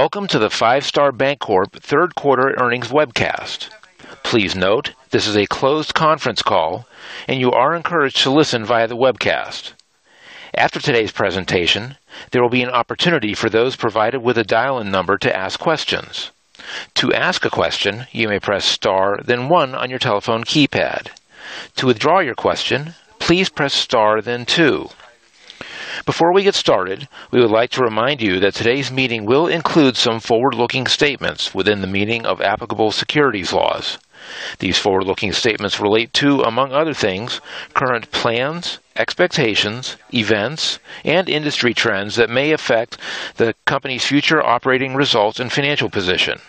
Welcome to the Five Star Bancorp third quarter earnings webcast. Please note this is a closed conference call, and you are encouraged to listen via the webcast. After today's presentation, there will be an opportunity for those provided with a dial-in number to ask questions. To ask a question, you may press star, then one on your telephone keypad. To withdraw your question, please press star, then two. Before we get started, we would like to remind you that today's meeting will include some forward-looking statements within the meaning of applicable securities laws. These forward-looking statements relate to, among other things, current plans, expectations, events, and industry trends that may affect the company's future operating results and financial position.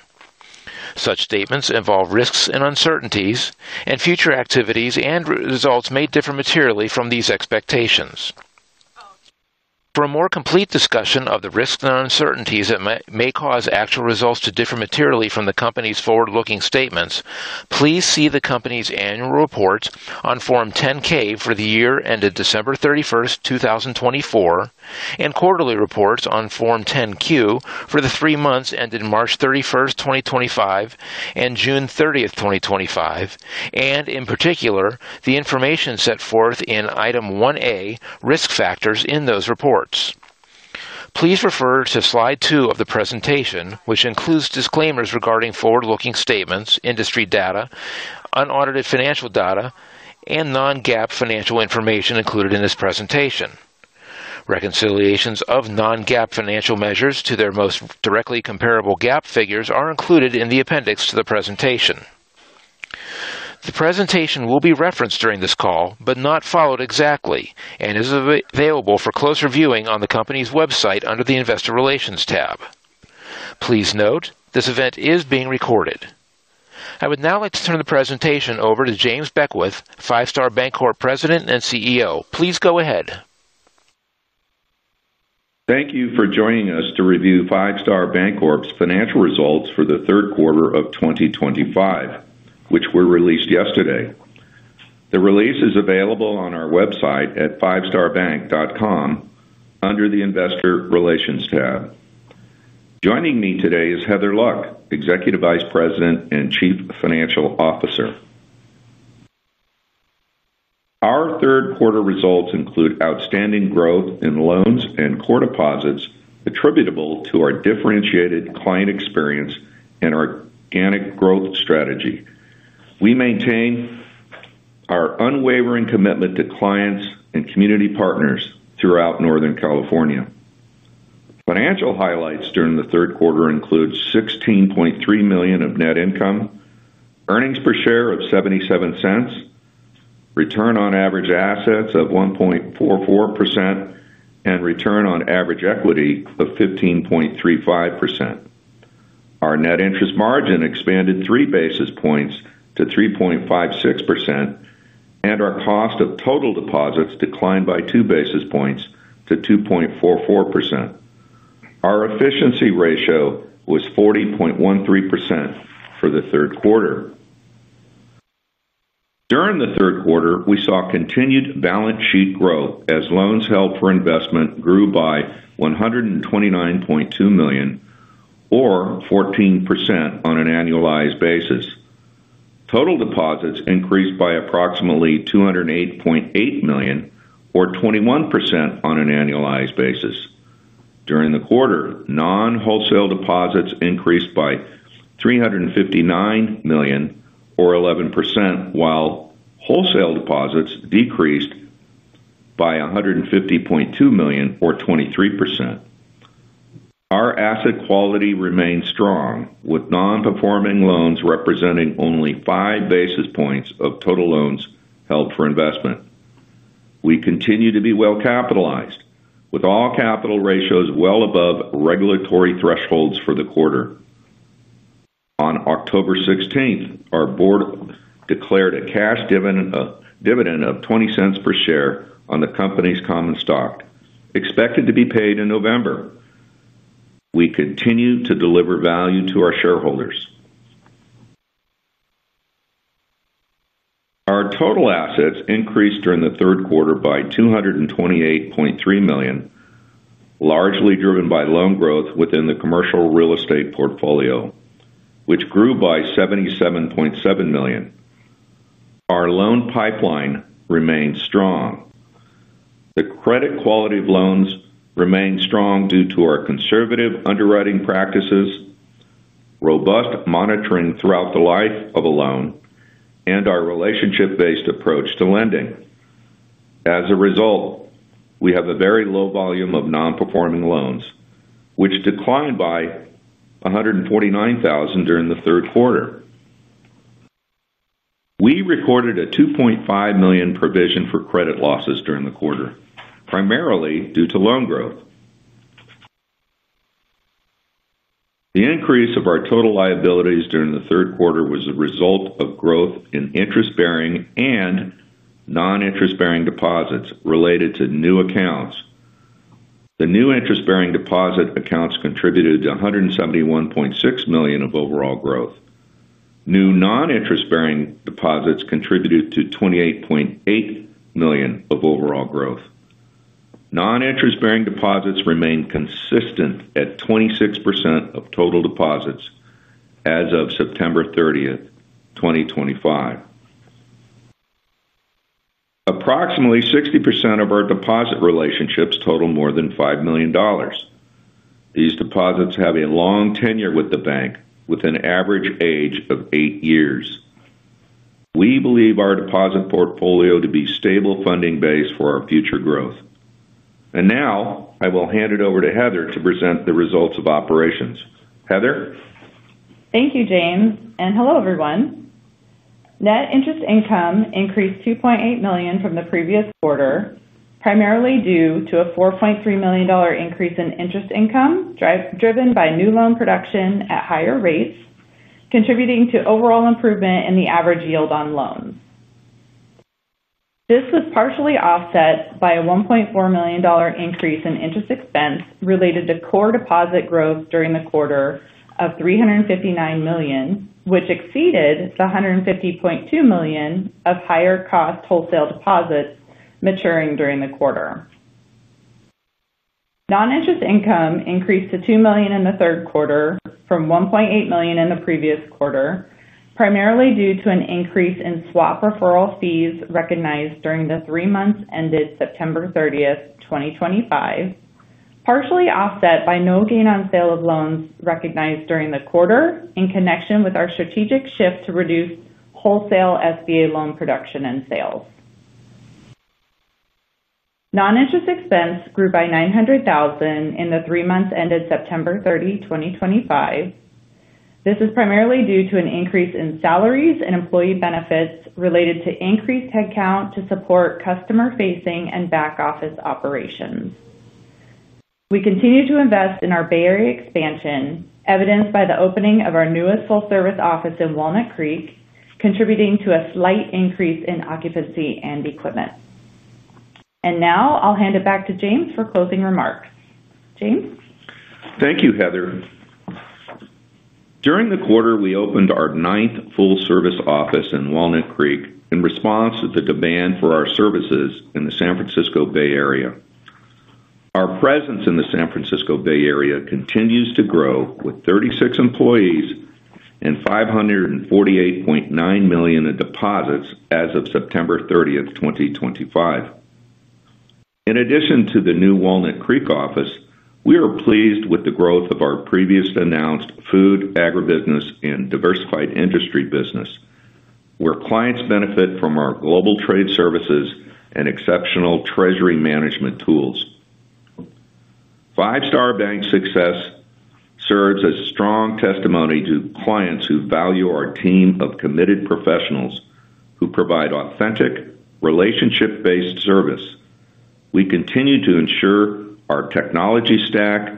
Such statements involve risks and uncertainties, and future activities and results may differ materially from these expectations. For a more complete discussion of the risks and uncertainties that may cause actual results to differ materially from the company's forward-looking statements, please see the company's annual reports on Form 10-K for the year ended December 31st, 2024, and quarterly reports on Form 10-Q for the three months ended March 31st, 2025, and June 30th, 2025, and in particular, the information set forth in Item 1A, risk factors in those reports. Please refer to slide two of the presentation, which includes disclaimers regarding forward-looking statements, industry data, unaudited financial data, and non-GAAP financial information included in this presentation. Reconciliations of non-GAAP financial measures to their most directly comparable GAAP figures are included in the appendix to the presentation. The presentation will be referenced during this call, but not followed exactly, and is available for close reviewing on the company's website under the Investor Relations tab. Please note this event is being recorded. I would now like to turn the presentation over to James Beckwith, Five Star Bancorp President and CEO. Please go ahead. Thank you for joining us to review Five Star Bancorp's financial results for the third quarter of 2025, which were released yesterday. The release is available on our website at fivestarbank.com under the Investor Relations tab. Joining me today is Heather Luck, Executive Vice President and Chief Financial Officer. Our third quarter results include outstanding growth in loans and core deposits attributable to our differentiated client experience and our organic growth strategy. We maintain our unwavering commitment to clients and community partners throughout Northern California. Financial highlights during the third quarter include $16.3 million of net income, earnings per share of $0.77, return on average assets of 1.44%, and return on average equity of 15.35%. Our net interest margin expanded three basis points to 3.56%, and our cost of total deposits declined by two basis points to 2.44%. Our efficiency ratio was 40.13% for the third quarter. During the third quarter, we saw continued balance sheet growth as loans held for investment grew by $129.2 million, or 14% on an annualized basis. Total deposits increased by approximately $208.8 million, or 21% on an annualized basis. During the quarter, non-wholesale deposits increased by $359 million, or 11%, while wholesale deposits decreased by $150.2 million, or 23%. Our asset quality remains strong, with non-performing loans representing only five basis points of total loans held for investment. We continue to be well-capitalized, with all capital ratios well above regulatory thresholds for the quarter. On October 16th, our board declared a cash dividend of $0.20 per share on the company's common stock, expected to be paid in November. We continue to deliver value to our shareholders. Our total assets increased during the third quarter by $228.3 million, largely driven by loan growth within the commercial real estate portfolio, which grew by $77.7 million. Our loan pipeline remains strong. The credit quality of loans remains strong due to our conservative underwriting practices, robust monitoring throughout the life of a loan, and our relationship-based approach to lending. As a result, we have a very low volume of non-performing loans, which declined by $149,000 during the third quarter. We recorded a $2.5 million provision for credit losses during the quarter, primarily due to loan growth. The increase of our total liabilities during the third quarter was a result of growth in interest-bearing and non-interest-bearing deposits related to new accounts. The new interest-bearing deposit accounts contributed to $171.6 million of overall growth. New non-interest-bearing deposits contributed to $28.8 million of overall growth. Non-interest-bearing deposits remained consistent at 26% of total deposits as of September 30th, 2025. Approximately 60% of our deposit relationships total more than $5 million. These deposits have a long tenure with the bank, with an average age of eight years. We believe our deposit portfolio to be a stable funding base for our future growth. I will hand it over to Heather to present the results of operations. Heather? Thank you, James, and hello everyone. Net interest income increased $2.8 million from the previous quarter, primarily due to a $4.3 million increase in interest income driven by new loan production at higher rates, contributing to overall improvement in the average yield on loans. This was partially offset by a $1.4 million increase in interest expense related to core deposit growth during the quarter of $359 million, which exceeded the $150.2 million of higher-cost wholesale deposits maturing during the quarter. Non-interest income increased to $2 million in the third quarter from $1.8 million in the previous quarter, primarily due to an increase in swap referral fees recognized during the three months ended September 30th, 2025, partially offset by no gain on sale of loans recognized during the quarter in connection with our strategic shift to reduce wholesale SBA loan production and sales. Non-interest expense grew by $900,000 in the three months ended September 30, 2025. This is primarily due to an increase in salaries and employee benefits related to increased headcount to support customer-facing and back-office operations. We continue to invest in our Bay Area expansion, evidenced by the opening of our newest full-service office in Walnut Creek, contributing to a slight increase in occupancy and equipment. I'll hand it back to James for closing remarks. James? Thank you, Heather. During the quarter, we opened our ninth full-service office in Walnut Creek in response to the demand for our services in the San Francisco Bay Area. Our presence in the San Francisco Bay Area continues to grow with 36 employees and $548.9 million in deposits as of September 30th, 2025. In addition to the new Walnut Creek office, we are pleased with the growth of our previously announced food and agribusiness and diversified industry business, where clients benefit from our global trade services and exceptional treasury management tools. Five Star Bank's success serves as strong testimony to clients who value our team of committed professionals who provide authentic, relationship-based service. We continue to ensure our technology stack,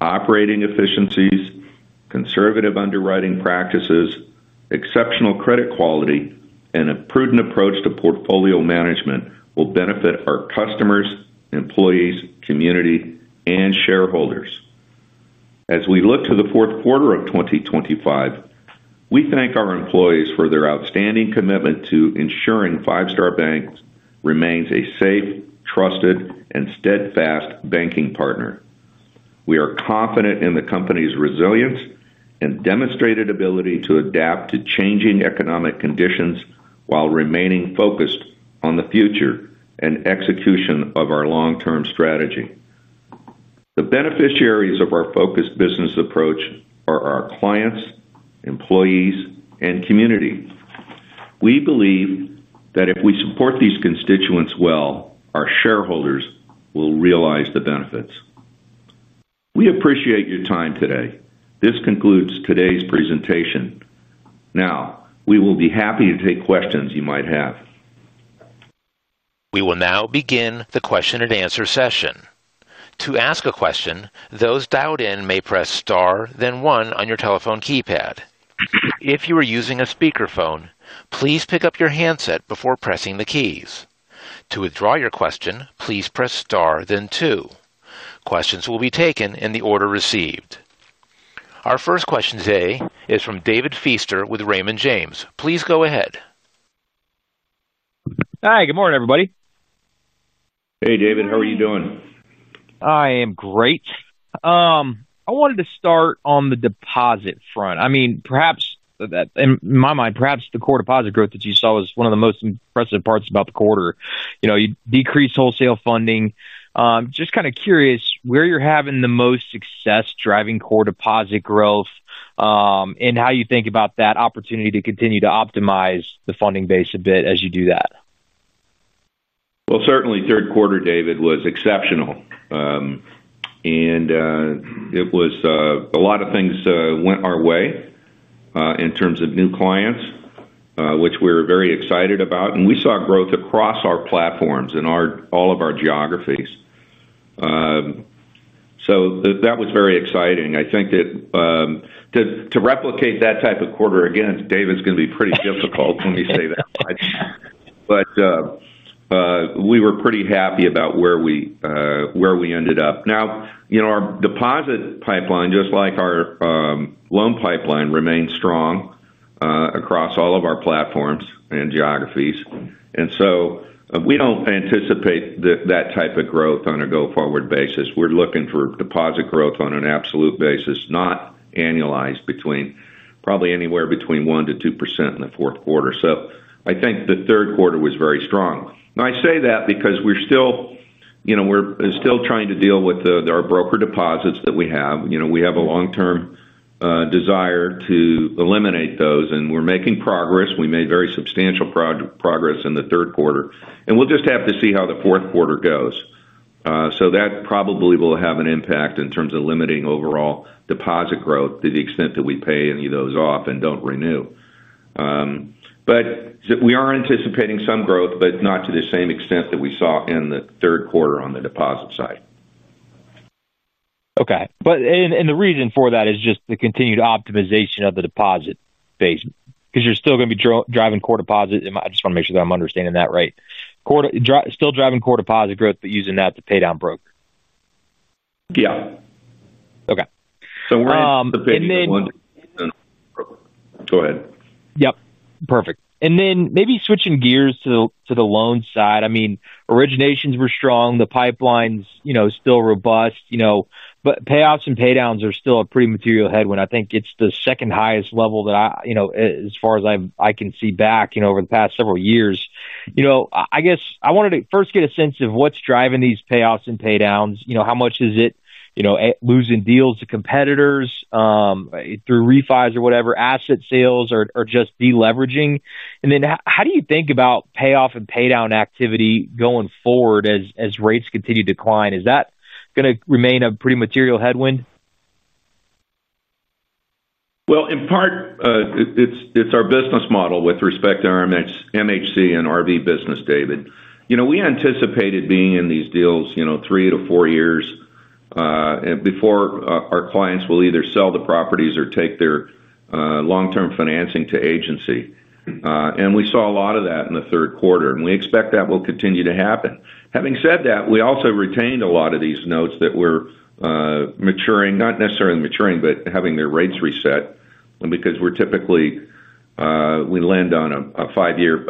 operating efficiencies, conservative underwriting practices, exceptional credit quality, and a prudent approach to portfolio management will benefit our customers, employees, community, and shareholders. As we look to the fourth quarter of 2025, we thank our employees for their outstanding commitment to ensuring Five Star Bank remains a safe, trusted, and steadfast banking partner. We are confident in the company's resilience and demonstrated ability to adapt to changing economic conditions while remaining focused on the future and execution of our long-term strategy. The beneficiaries of our focused business approach are our clients, employees, and community. We believe that if we support these constituents well, our shareholders will realize the benefits. We appreciate your time today. This concludes today's presentation. Now, we will be happy to take questions you might have. We will now begin the question-and answer session. To ask a question, those dialed in may press star, then one on your telephone keypad. If you are using a speakerphone, please pick up your handset before pressing the keys. To withdraw your question, please press star, then two. Questions will be taken in the order received. Our first question today is from David Feaster with Raymond James. Please go ahead. Hi, good morning everybody. Hey David, how are you doing? I am great. I wanted to start on the deposit front. In my mind, perhaps the core deposit growth that you saw was one of the most impressive parts about the quarter. You decreased wholesale funding. Just kind of curious where you're having the most success driving core deposit growth, and how you think about that opportunity to continue to optimize the funding base a bit as you do that. Certainly, third quarter, David, was exceptional. It was a lot of things went our way in terms of new clients, which we're very excited about. We saw growth across our platforms in all of our geographies, so that was very exciting. I think that to replicate that type of quarter again, David, is going to be pretty difficult when you say that. We were pretty happy about where we ended up. Now, you know, our deposit pipeline, just like our loan pipeline, remains strong across all of our platforms and geographies. We don't anticipate that type of growth on a go-forward basis. We're looking for deposit growth on an absolute basis, not annualized, probably anywhere between 1%-2% in the fourth quarter. I think the third quarter was very strong. I say that because we're still trying to deal with our brokered deposits that we have. We have a long-term desire to eliminate those, and we're making progress. We made very substantial progress in the third quarter. We'll just have to see how the fourth quarter goes. That probably will have an impact in terms of limiting overall deposit growth to the extent that we pay any of those off and don't renew, but we are anticipating some growth, but not to the same extent that we saw in the third quarter on the deposit side. Okay, the reason for that is just the continued optimization of the deposit base. You're still going to be driving core deposit growth, but using that to pay down broker. Yeah. Okay. Go ahead. Perfect. Maybe switching gears to the loan side. Originations were strong. The pipeline's still robust, but payoffs and paydowns are still a pretty material headwind. I think it's the second highest level that I can see back over the past several years. I wanted to first get a sense of what's driving these payoffs and paydowns. How much is it losing deals to competitors, through refis or whatever, asset sales, or just deleveraging? How do you think about payoff and paydown activity going forward as rates continue to decline? Is that going to remain a pretty material headwind? In part, it's our business model with respect to our MHC and RV park lending business, David. You know, we anticipated being in these deals three to four years before our clients will either sell the properties or take their long-term financing to agency. We saw a lot of that in the third quarter, and we expect that will continue to happen. Having said that, we also retained a lot of these notes that were maturing, not necessarily maturing, but having their rates reset. Because we typically lend on a five-year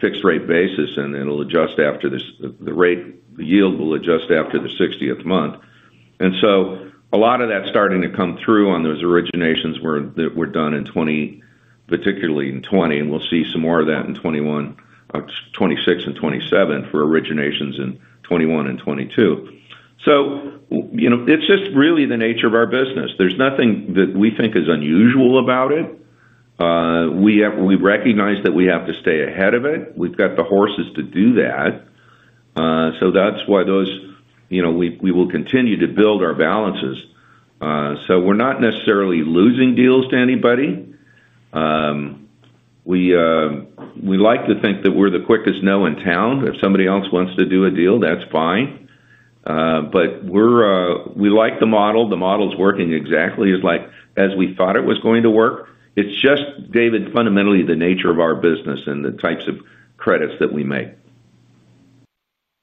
fixed-rate basis, the rate, the yield will adjust after the 60th month. A lot of that's starting to come through on those originations that were done in 2020, particularly in 2020, and we'll see some more of that in 2021, 2026, and 2027 for originations in 2021 and 2022. It's just really the nature of our business. There's nothing that we think is unusual about it. We recognize that we have to stay ahead of it. We've got the horses to do that. That's why we will continue to build our balances. We're not necessarily losing deals to anybody. We like to think that we're the quickest gnome in town. If somebody else wants to do a deal, that's fine. We like the model. The model's working exactly as we thought it was going to work. It's just, David, fundamentally the nature of our business and the types of credits that we make.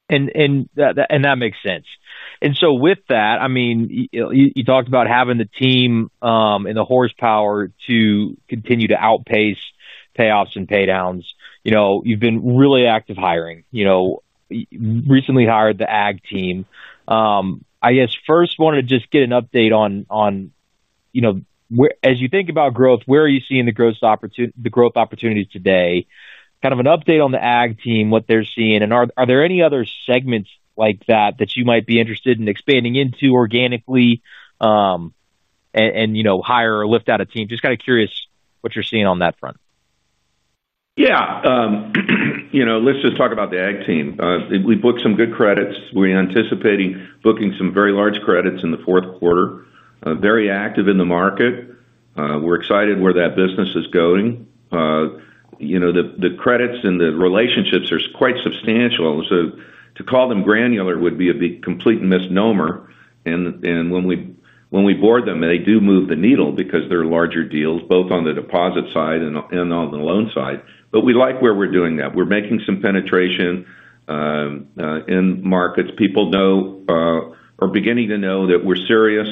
That makes sense. With that, you talked about having the team and the horsepower to continue to outpace payoffs and paydowns. You've been really active hiring. You recently hired the ag team. I guess first I wanted to just get an update on where, as you think about growth, where are you seeing the growth opportunity today. Kind of an update on the ag team, what they're seeing, and are there any other segments like that that you might be interested in expanding into organically, and hire or lift out a team. Just kind of curious what you're seeing on that front. Yeah, you know, let's just talk about the ag team. We booked some good credits. We're anticipating booking some very large credits in the fourth quarter. Very active in the market. We're excited where that business is going. You know, the credits and the relationships are quite substantial. To call them granular would be a complete misnomer. When we board them, they do move the needle because they're larger deals, both on the deposit side and on the loan side. We like where we're doing that. We're making some penetration in markets. People know, are beginning to know that we're serious,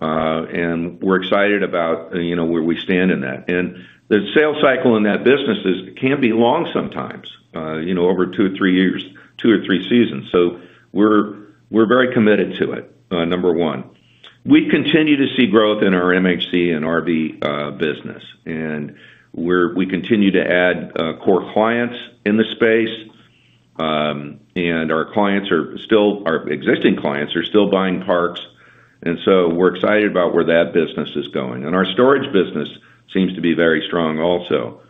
and we're excited about, you know, where we stand in that. The sales cycle in that business can be long sometimes, you know, over two or three years, two or three seasons. We're very committed to it, number one. We continue to see growth in our MHC and RV business. We continue to add core clients in the space, and our clients are still, our existing clients are still buying parks. We're excited about where that business is going. Our storage business seems to be very strong also.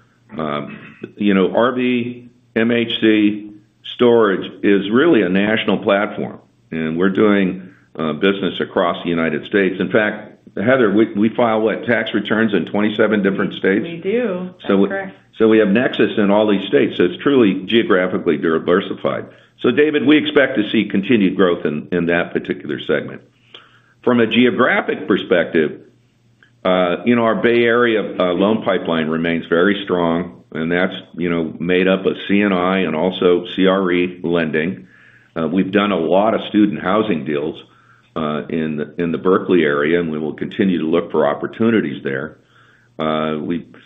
You know, RV, MHC, storage is really a national platform. We're doing business across the United States. In fact, Heather, we file, what, tax returns in 27 different states? We do. That's correct. We have Nexus in all these states. It is truly geographically diversified. David, we expect to see continued growth in that particular segment. From a geographic perspective, our Bay Area loan pipeline remains very strong. That is made up of CNI and also CRE lending. We have done a lot of student housing deals in the Berkeley area, and we will continue to look for opportunities there. That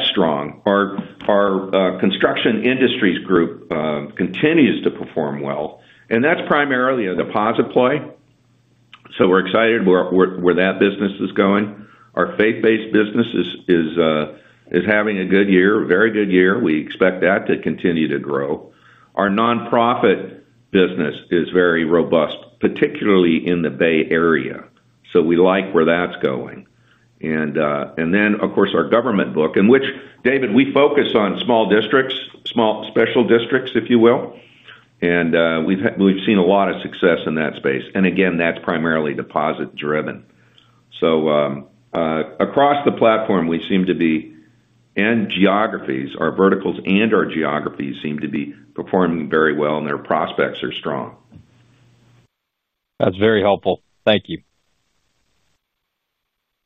is strong. Our construction industries group continues to perform well, and that is primarily a deposit play. We are excited where that business is going. Our faith-based business is having a good year, a very good year. We expect that to continue to grow. Our nonprofit business is very robust, particularly in the Bay Area. We like where that is going. Of course, our government book, in which, David, we focus on small districts, small special districts, if you will, we have seen a lot of success in that space. Again, that is primarily deposit-driven. Across the platform, our verticals and our geographies seem to be performing very well, and their prospects are strong. That's very helpful. Thank you.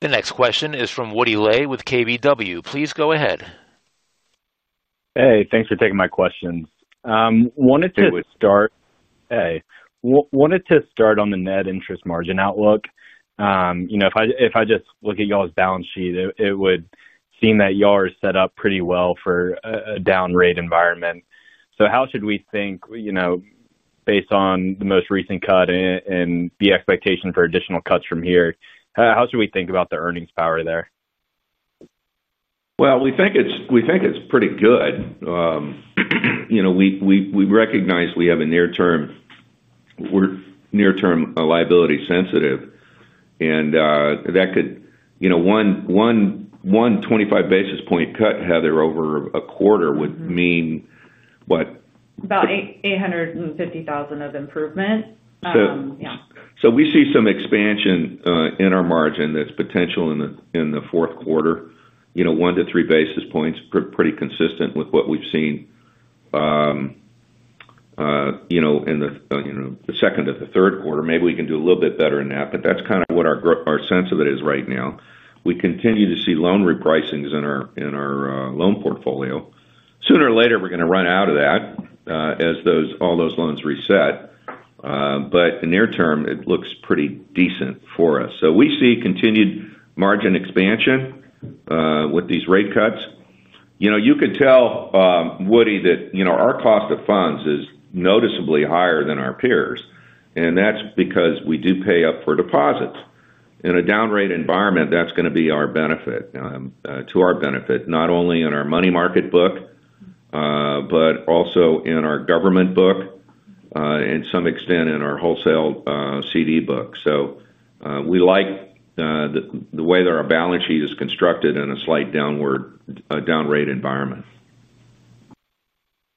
The next question is from Woody Lay with KBW. Please go ahead. Hey, thanks for taking my questions. I wanted to start. Hey. Hey. Wanted to start on the net interest margin outlook. If I just look at y'all's balance sheet, it would seem that y'all are set up pretty well for a down rate environment. How should we think, based on the most recent cut and the expectation for additional cuts from here? How should we think about the earnings power there? We think it's pretty good. You know, we recognize we have a near-term, we're near-term liability sensitive. That could, you know, 125 basis point cut, Heather, over a quarter would mean, what? About $850,000 of improvement. We see some expansion in our margin that's potential in the fourth quarter, one to three basis points, pretty consistent with what we've seen in the second or the third quarter. Maybe we can do a little bit better than that, but that's kind of what our sense of it is right now. We continue to see loan repricings in our loan portfolio. Sooner or later, we're going to run out of that as all those loans reset. In the near-term, it looks pretty decent for us. We see continued margin expansion with these rate cuts. You could tell Woody that our cost of funds is noticeably higher than our peers, and that's because we do pay up for deposits. In a down rate environment, that's going to be to our benefit, not only in our money market book, but also in our government book, and to some extent in our wholesale CD book. We like the way that our balance sheet is constructed in a slight downward, down rate environment.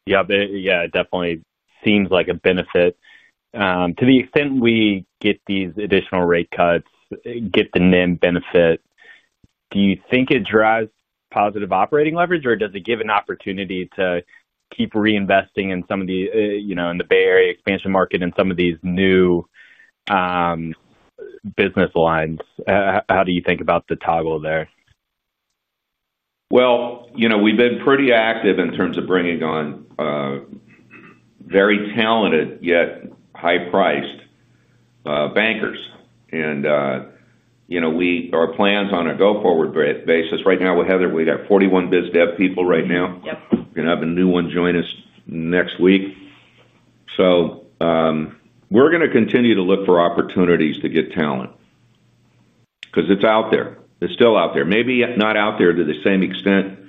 Yeah, it definitely seems like a benefit. To the extent we get these additional rate cuts, get the NIM benefit, do you think it drives positive operating leverage, or does it give an opportunity to keep reinvesting in some of the, you know, in the Bay Area expansion market and some of these new business lines? How do you think about the toggle there? We've been pretty active in terms of bringing on very talented yet high-priced bankers. Our plans on a go-forward basis, right now with Heather, we got 41 biz dev people right now. We're going to have a new one join us next week. We're going to continue to look for opportunities to get talent because it's out there. It's still out there, maybe not out there to the same extent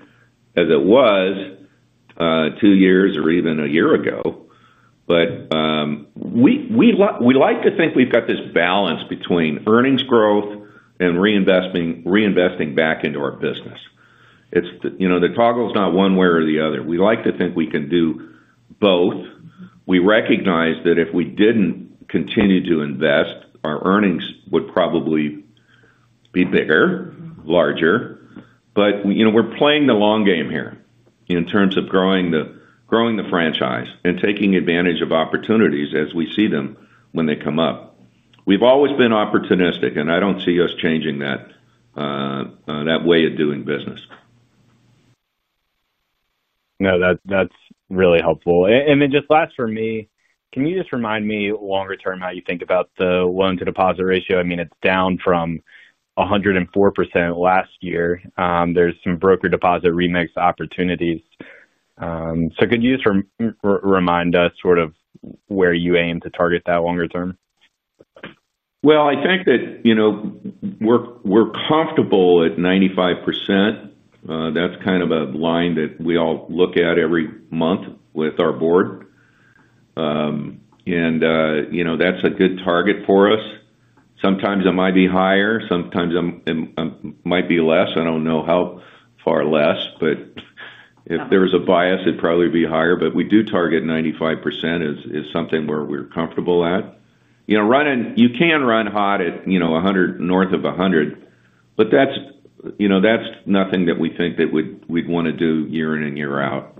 as it was two years or even a year ago. We like to think we've got this balance between earnings growth and reinvesting back into our business. The toggle is not one way or the other. We like to think we can do both. We recognize that if we didn't continue to invest, our earnings would probably be bigger, larger. We're playing the long game here in terms of growing the franchise and taking advantage of opportunities as we see them when they come up. We've always been opportunistic, and I don't see us changing that way of doing business. No, that's really helpful. Just last for me, can you just remind me longer-term how you think about the loan-to-deposit ratio? I mean, it's down from 104% last year. There's some brokered deposit remix opportunities. Could you just remind us sort of where you aim to target that longer-term? I think that, you know, we're comfortable at 95%. That's kind of a line that we all look at every month with our board. You know, that's a good target for us. Sometimes it might be higher. Sometimes it might be less. I don't know how far less, but if there was a bias, it'd probably be higher. We do target 95% as something where we're comfortable at. You know, running, you can run hot at, you know, 100% or north of 100%, but that's nothing that we think that we'd want to do year in and year out.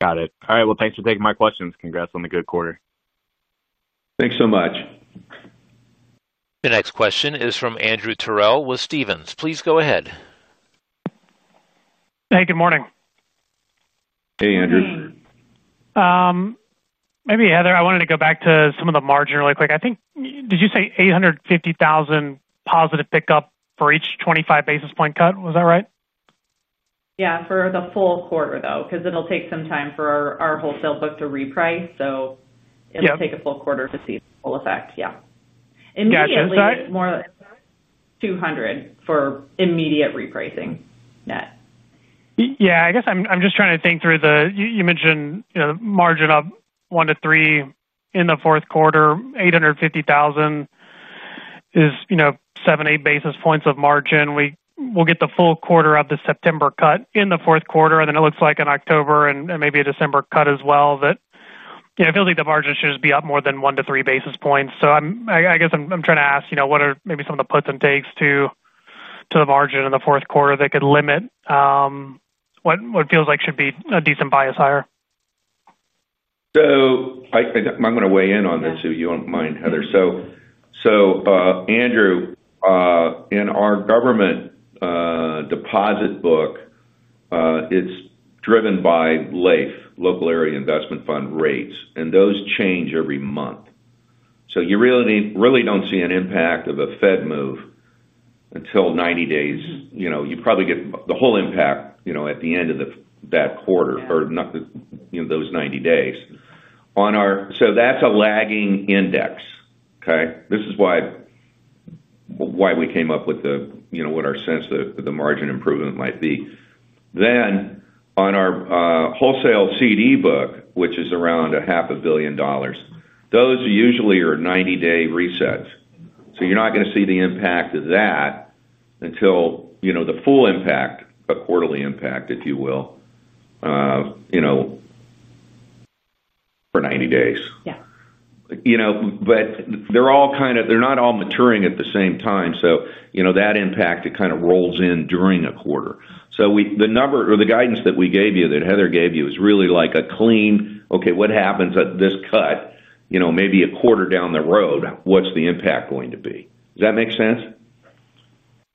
Got it. All right. Thanks for taking my questions. Congrats on the good quarter. Thanks so much. The next question is from Andrew Terrell with Stephens. Please go ahead. Hey, good morning. Hey, Andrew. Maybe Heather, I wanted to go back to some of the margin really quick. I think, did you say $850,000 positive pickup for each 25 basis point cut? Was that right? Yeah, for the full quarter though, because it'll take some time for our wholesale book to reprice. It'll take a full quarter to see the full effect. Yeah, immediately, more than 200 for immediate repricing net. I'm just trying to think through the, you mentioned, you know, the margin up one to three in the fourth quarter, $850,000 is, you know, seven, eight basis points of margin. We'll get the full quarter of the September cut in the fourth quarter, and then it looks like in October and maybe a December cut as well that, you know, it feels like the margin should just be up more than one to three basis points. I guess I'm trying to ask, you know, what are maybe some of the puts and takes to the margin in the fourth quarter that could limit what feels like should be a decent bias higher? I'm going to weigh in on this if you don't mind, Heather. Andrew, in our government deposit book, it's driven by LAIF, Local Area Investment Fund rates, and those change every month. You really don't see an impact of a Fed move until 90 days. You probably get the whole impact at the end of that quarter or those 90 days. That's a lagging index. This is why we came up with the margin of improvement. On our wholesale CD book, which is around $500 million, those usually are 90-day resets. You're not going to see the impact of that until the full impact, a quarterly impact if you will, for 90 days. Yeah. They're all kind of, they're not all maturing at the same time. That impact kind of rolls in during a quarter. The number or the guidance that we gave you, that Heather gave you, is really like a clean, okay, what happens at this cut, maybe a quarter down the road, what's the impact going to be? Does that make sense?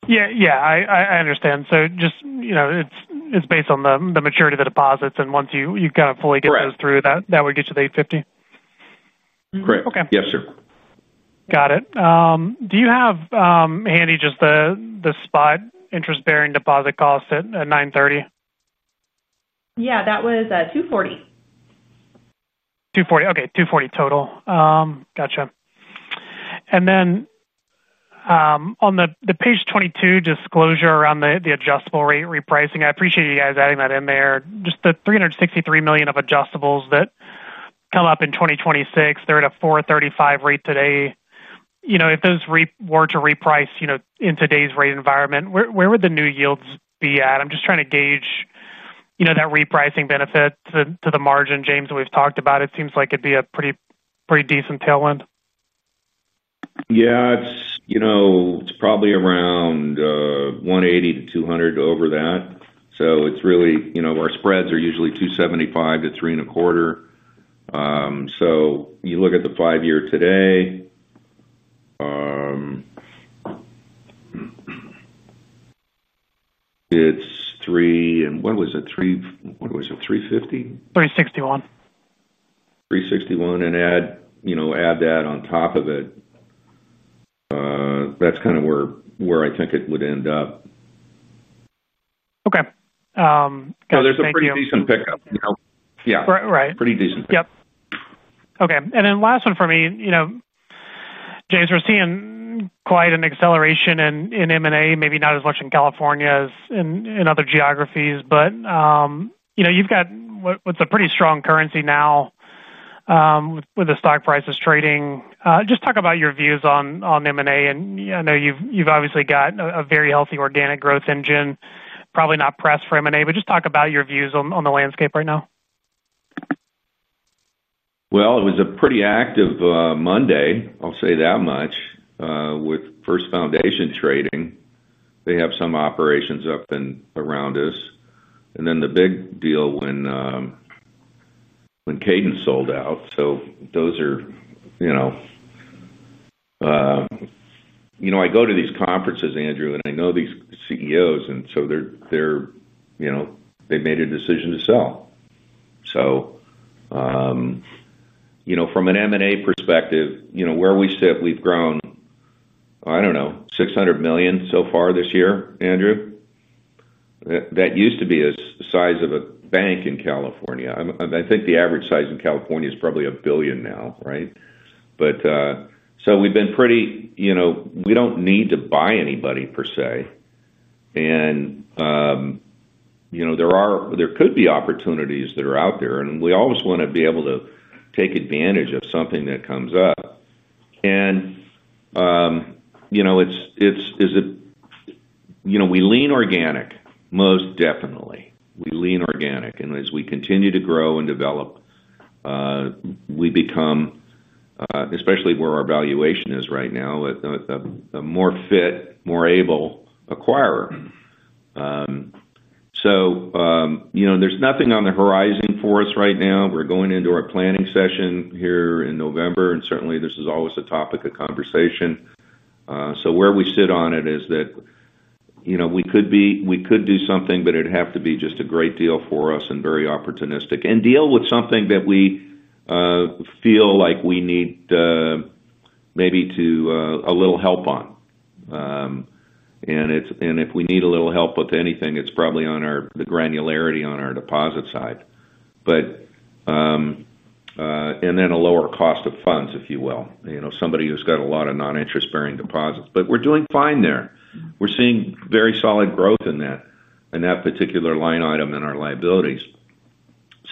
Yeah, I understand. It's based on the maturity of the deposits, and once you kind of fully get those through, that would get you to the $850 million? Correct. Okay. Yes, sir. Got it. Do you have handy just the spot interest-bearing deposit cost at $930 million? Yeah, that was 240 million. $240 million, okay, $240 million total. Gotcha. On the page 22 disclosure around the adjustable rate repricing, I appreciate you guys adding that in there. The $363 million of adjustables that come up in 2026 are at a 4.35% rate today. If those were to reprice in today's rate environment, where would the new yields be at? I'm just trying to gauge that repricing benefit to the margin, James, that we've talked about. It seems like it'd be a pretty decent tailwind. Yeah, it's probably around 1.80%-2.00% over that. It's really, you know, our spreads are usually 2.75%-3.25%. You look at the five-year today, it's 3%, and what was it? 3%, what was it? 3.50%? 3.61%. 3.61%, and add that on top of it. That's kind of where I think it would end up. Okay. gotcha. There's a pretty decent pickup. Yeah. Right, right. Pretty decent pickup. Okay. Last one for me, James, we're seeing quite an acceleration in M&A, maybe not as much in California as in other geographies. You've got what's a pretty strong currency now, with the stock prices trading. Just talk about your views on M&A. I know you've obviously got a very healthy organic growth engine, probably not pressed for M&A, but just talk about your views on the landscape right now. It was a pretty active Monday, I'll say that much, with First Foundation trading. They have some operations up and around us. The big deal was when Cadence sold out. I go to these conferences, Andrew, and I know these CEOs, and they made a decision to sell. From an M&A perspective, where we sit, we've grown, I don't know, $600 million so far this year, Andrew. That used to be the size of a bank in California. I think the average size in California is probably $1 billion now, right? We've been pretty, we don't need to buy anybody per se. There could be opportunities that are out there, and we always want to be able to take advantage of something that comes up. Is it, we lean organic, most definitely. We lean organic. As we continue to grow and develop, we become, especially where our valuation is right now, a more fit, more able acquirer. There is nothing on the horizon for us right now. We're going into our planning session here in November, and certainly this is always a topic of conversation. Where we sit on it is that we could be, we could do something, but it'd have to be just a great deal for us and very opportunistic and deal with something that we feel like we need, maybe a little help on. If we need a little help with anything, it's probably the granularity on our deposit side, and then a lower cost of funds, if you will. Somebody who's got a lot of non-interest-bearing deposits. We're doing fine there. We're seeing very solid growth in that particular line item in our liabilities.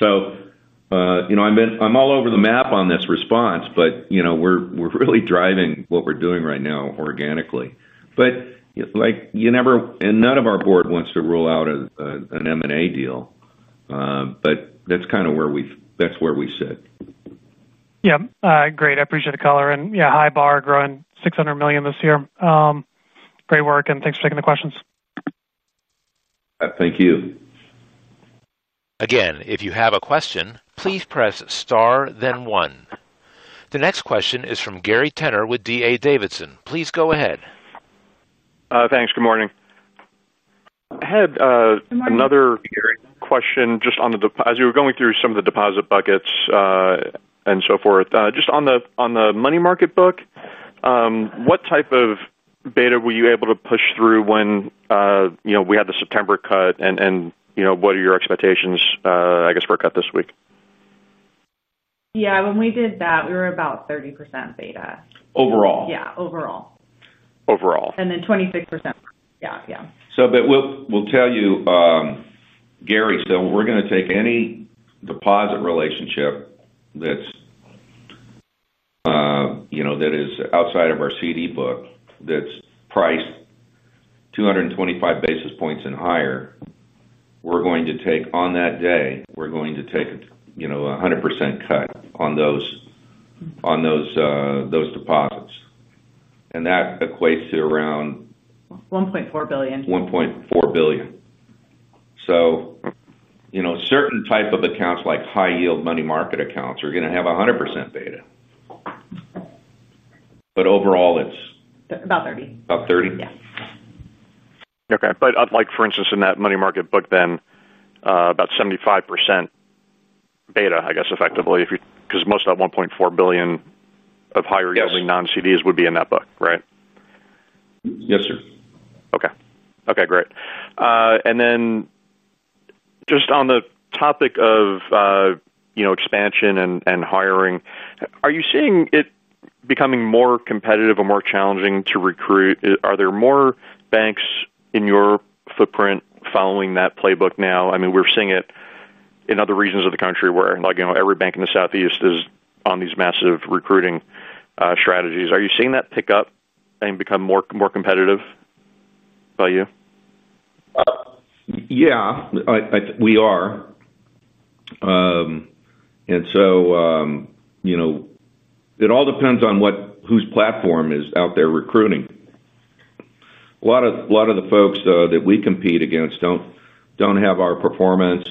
I've been, I'm all over the map on this response, but we're really driving what we're doing right now organically. None of our board wants to rule out an M&A deal. That's kind of where we sit. Yeah, great. I appreciate the color. Yeah, high bar, growing $600 million this year. Great work, and thanks for taking the questions. Thank you. Again, if you have a question, please press star, then one. The next question is from Gary Tenner with D.A. Davidson. Please go ahead. Thanks. Good morning. I had another question just on the, as you were going through some of the deposit buckets and so forth. Just on the money market book, what type of beta were you able to push through when we had the September cut, and what are your expectations, I guess, for a cut this week? Yeah, when we did that, we were about 30% beta. Overall? Yeah, overall. Overall. 26%. Yeah, yeah. We'll tell you, Gary, we're going to take any deposit relationship that's outside of our CD book that's priced 225 basis points and higher. On that day, we're going to take a 100% cut on those deposits. That equates to around. 1.4 billion. $1.4 billion. Certain types of accounts like high-yield money market accounts are going to have 100% beta, but overall, it's. About 30. About 30? Yeah. Okay. For instance, in that money market book, then, about 75% beta, I guess, effectively, if you, because most of that $1.4 billion of higher-yielding non-CDs would be in that book, right? Yes, sir. Okay, great. On the topic of expansion and hiring, are you seeing it becoming more competitive and more challenging to recruit? Are there more banks in your footprint following that playbook now? I mean, we're seeing it in other regions of the country where, like, every bank in the Southeast is on these massive recruiting strategies. Are you seeing that pick up and become more competitive by you? Yeah, we are, and so, you know, it all depends on what, whose platform is out there recruiting. A lot of the folks that we compete against don't have our performance,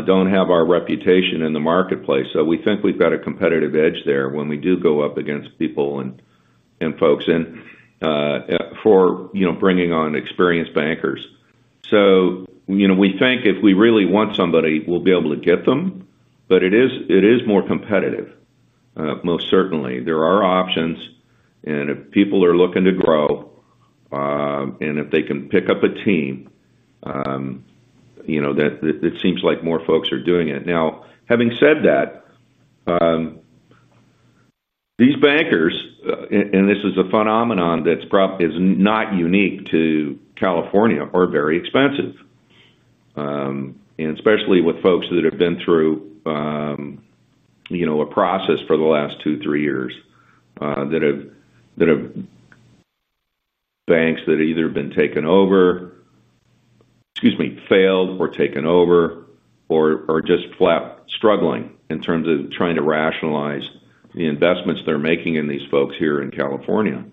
don't have our reputation in the marketplace. We think we've got a competitive edge there when we do go up against people and folks in, for, you know, bringing on experienced bankers. We think if we really want somebody, we'll be able to get them, but it is more competitive, most certainly. There are options, and if people are looking to grow, and if they can pick up a team, it seems like more folks are doing it. Now, having said that, these bankers, and this is a phenomenon that's probably not unique to California, are very expensive, and especially with folks that have been through a process for the last two, three years, that have banks that have either been taken over, excuse me, failed or taken over, or are just flat struggling in terms of trying to rationalize the investments they're making in these folks here in California.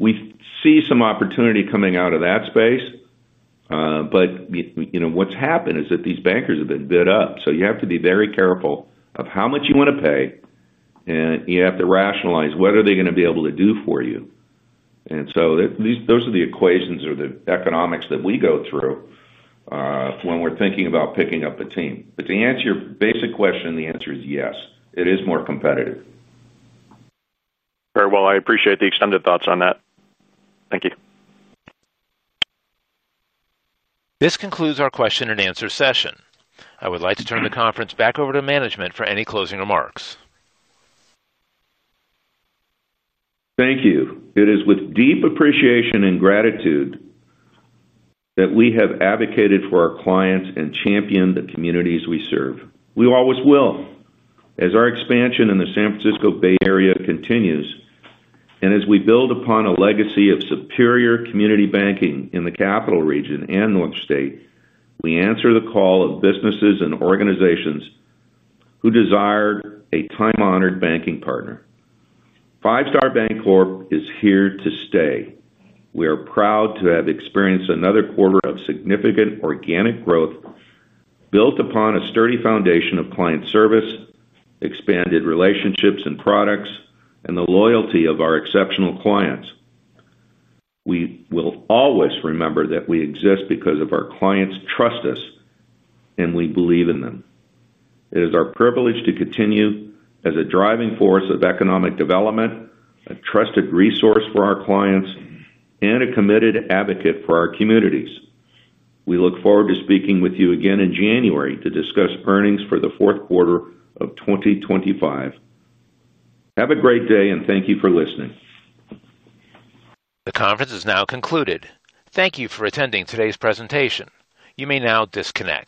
We see some opportunity coming out of that space, but you know, what's happened is that these bankers have been bid up. You have to be very careful of how much you want to pay, and you have to rationalize what are they going to be able to do for you. Those are the equations or the economics that we go through when we're thinking about picking up a team. To answer your basic question, the answer is yes, it is more competitive. Very well, I appreciate the extended thoughts on that. Thank you. This concludes our question-and-answer session. I would like to turn the conference back over to management for any closing remarks. Thank you. It is with deep appreciation and gratitude that we have advocated for our clients and championed the communities we serve. We always will. As our expansion in the San Francisco Bay Area continues, and as we build upon a legacy of superior community banking in the Capital Region and North State, we answer the call of businesses and organizations who desire a time-honored banking partner. Five Star Bancorp is here to stay. We are proud to have experienced another quarter of significant organic growth built upon a sturdy foundation of client service, expanded relationships and products, and the loyalty of our exceptional clients. We will always remember that we exist because of our clients' trust in us, and we believe in them. It is our privilege to continue as a driving force of economic development, a trusted resource for our clients, and a committed advocate for our communities. We look forward to speaking with you again in January to discuss earnings for the fourth quarter of 2025. Have a great day, and thank you for listening. The conference is now concluded. Thank you for attending today's presentation. You may now disconnect.